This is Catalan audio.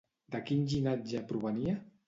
De quin llinatge provenia?